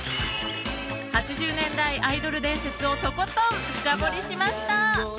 ８０年代アイドル伝説をとことん深掘りしました！